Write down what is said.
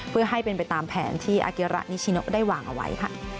เพื่อให้เป็นไปตามแผนที่อาเกียระนิชิโนได้วางเอาไว้